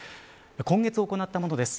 今月行ったものです。